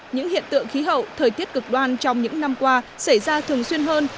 những hiện tượng khí hậu thời tiết cực đoan trong những năm qua xảy ra thường xuyên hơn